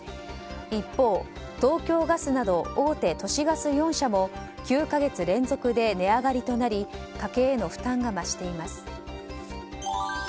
一方、東京ガスなど大手都市ガス４社も９か月連続で値上がりとなり家計への負担が増しています。